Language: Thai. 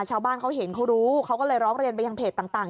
ชาวบ้านเขาเห็นเขารู้เขาก็เลยร้องเรียนไปยังเพจต่าง